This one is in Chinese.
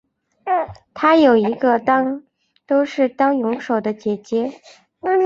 她有一个都是当泳手的姐姐。